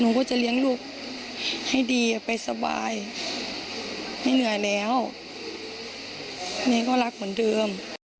ก็จะเลี้ยงลูกให้ดีไปสบายไม่เหนื่อยแล้วแม่ก็รักเหมือนเดิม